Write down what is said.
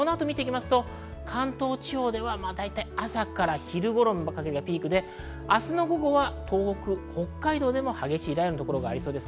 関東地方では朝から昼頃にかけてピークで明日の午後は東北、北海道でも激しい雷雨の所がありそうです。